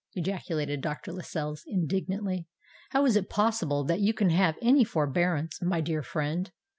ejaculated Dr. Lascelles indignantly. "How is it possible that you can have any forbearance, my dear friend?